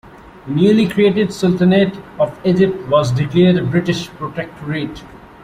The newly created Sultanate of Egypt was declared a British protectorate.